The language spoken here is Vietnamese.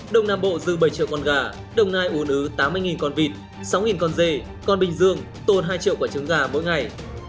đồng nam bộ dư bảy triệu con gà đồng nai uốn ứ tám mươi con vịt sáu con dê còn bình dương tồn hai triệu quả trứng gà mỗi ngày